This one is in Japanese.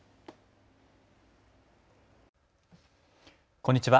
こんにちは。